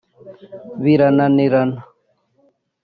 birananirana